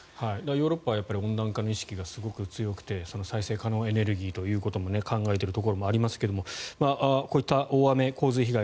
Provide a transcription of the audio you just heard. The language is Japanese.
ヨーロッパは温暖化の意識がすごく強くて再生可能エネルギーということも考えているところもありますがこういった大雨・洪水被害